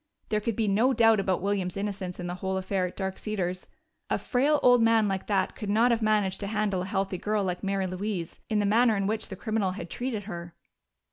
There could be no doubt about William's innocence in the whole affair at Dark Cedars: a frail old man like that could not have managed to handle a healthy girl like Mary Louise in the manner in which the criminal had treated her.